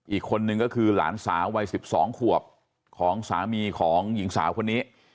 อีกคนนึงก็คือหลานสาววัย๑๒ขวบของสามีของหญิงสาวคนนี้